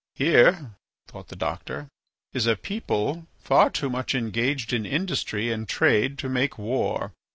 "Here," thought the doctor, "is a people far too much engaged in industry and trade to make war.